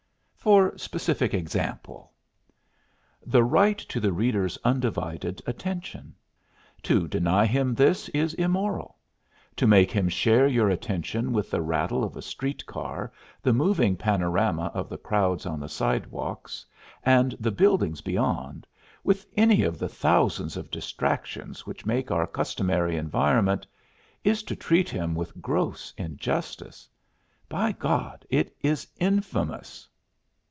"For specific example?" "The right to the reader's undivided attention. To deny him this is immoral. To make him share your attention with the rattle of a street car, the moving panorama of the crowds on the sidewalks, and the buildings beyond with any of the thousands of distractions which make our customary environment is to treat him with gross injustice. By God, it is infamous!"